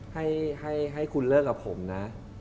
ให้คุณเลิกกับผมนะ